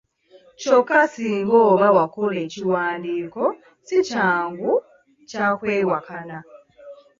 Kyokka singa oba wakola ekiwandiiko si kyangu kya kwewakana.